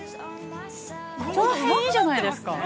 ここら辺いいじゃないですか。